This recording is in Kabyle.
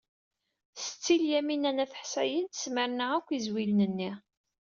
Setti Lyamina n At Ḥsayen tesmerna akk izwilen-nni.